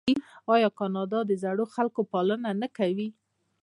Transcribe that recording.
آیا کاناډا د زړو خلکو پالنه نه کوي؟